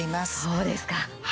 そうですか。